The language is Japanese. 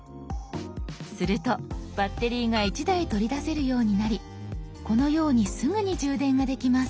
するとバッテリーが１台取り出せるようになりこのようにすぐに充電ができます。